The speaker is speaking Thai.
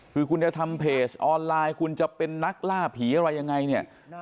คือคุณจะทำเพจออนไลน์คุณจะเป็นนักล่าผีอะไรยังไงเนี่ย